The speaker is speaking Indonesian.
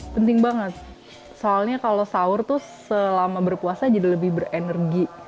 penting banget soalnya kalau sahur tuh selama berpuasa jadi lebih berenergi